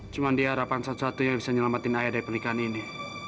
cuma diharapkan satu satunya bisa nyelamatin ayah dari pernikahan ini